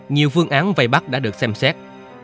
nhiều phương án vây bắt đã được xem xét